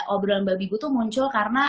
obrolan babi ibu itu muncul karena